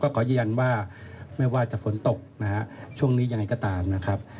ขอยืนยันว่าไม่ว่าจะฝนตกนะฮะช่วงนี้ยังไงก็ตามนะครับ